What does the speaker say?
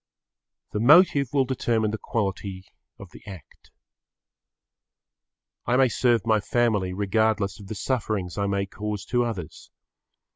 The motive will determine the quality of the act. I may serve my family regardless of the sufferings I may cause to others.